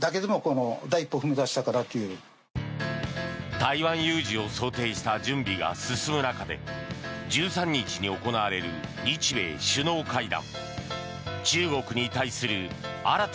台湾有事を想定した準備が進む中１３日に行われる日米首脳会談。